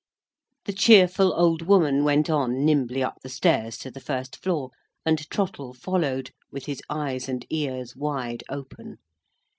The cheerful old woman went on nimbly up the stairs to the first floor, and Trottle followed, with his eyes and ears wide open.